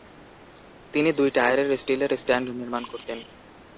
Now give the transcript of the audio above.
তিনি দুই টায়ারের স্টিলের স্ট্যান্ড নির্মাণ করতেন।